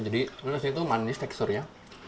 jadi nasinya itu manis teksturnya